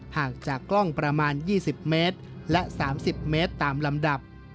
ห่างจากกล้องประมาณ๒๐เมตรและ๓๐เมตรตามลำดับ